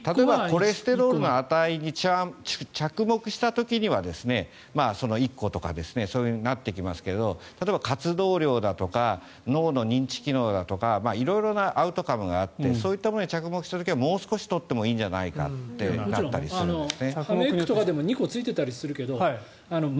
コレステロールの値に着目した時には１個とか、そうなってきますけど例えば、活動量だとか脳の認知機能だとか色々なアウトカムがあってそういったことに着目した時はもう少し取ってもいいんじゃないかってなったりするんです。